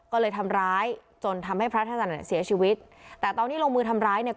ก็เลยทำร้ายจนทำให้พระธจันทร์เนี่ยเสียชีวิตแต่ตอนที่ลงมือทำร้ายเนี่ย